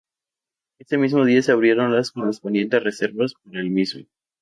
Ese mismo día se abrieron las correspondientes reservas para el mismo.